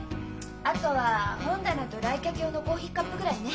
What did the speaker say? あとは本棚と来客用のコーヒーカップぐらいね。